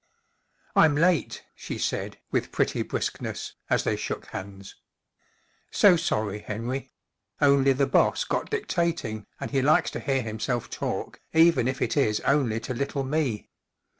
" I'm late/" she said, with pretty briskness, as they shook hands. So sorry, Henry. Only the boss got dictating, and he likes to hear himself talk, even if it is only to little me.